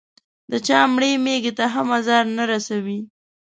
د چا مړې مېږې ته هم ازار نه رسوي.